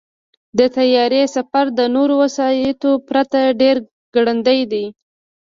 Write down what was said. د طیارې سفر د نورو وسایطو پرتله ډېر ګړندی دی.